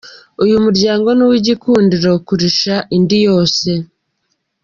Uyu muryango ni uw’igikundiro kurusha indi yose.